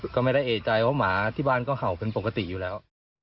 ก็ไม่ได้เอกใจว่าหมาที่บ้านก็เห่าเป็นปกติอยู่แล้ว